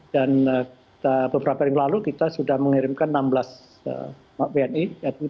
dan beberapa hari lalu kita sudah mengirimkan enam belas bni